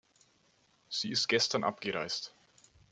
Sie ist gestern abgereist.